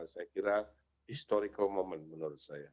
saya kira historical moment menurut saya